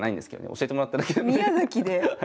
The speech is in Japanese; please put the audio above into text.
教えてもらっただけなんで。